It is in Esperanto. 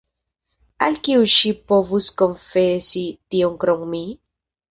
Al kiu ŝi povus konfesi tion krom mi?